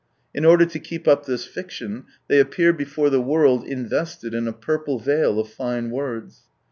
In order to keep up this fiction, they appear before the world invested in a purple veil of fine words.